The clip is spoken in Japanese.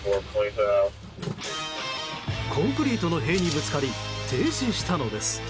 コンクリートの塀にぶつかり停止したのです。